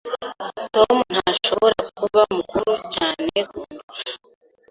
Tom ntashobora kuba mukuru cyane kundusha.